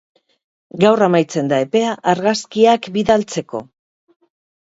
Gaur amaitzen da epea argazkiak bidaltzeko.